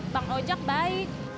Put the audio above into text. bang ojak baik